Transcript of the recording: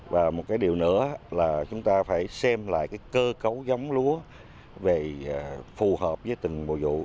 và một cái điều nữa là chúng ta phải xem lại cái cơ cấu giống lúa về phù hợp với từng mùa vụ